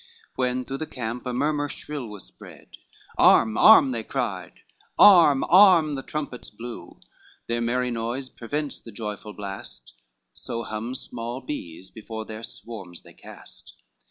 When through the camp a murmur shrill was spread, Arm, arm, they cried; arm, arm, the trumpets blew, Their merry noise prevents the joyful blast, So hum small bees, before their swarms they cast.